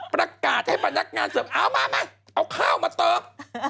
ประกาศให้พนักงานเสิร์ฟเอามามาเอาข้าวมาเติบ